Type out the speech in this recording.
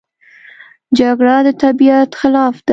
جګړه د طبیعت خلاف ده